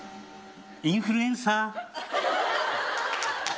インフルエンサー。